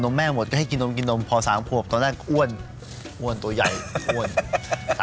พอนมแม่หมดก็ให้กินนมกินนมพอสารผวบตอนแรกอ้วนตัวใหญ่อ่ะ